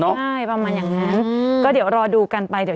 ออกมาแล้วน่ะ๒ตัว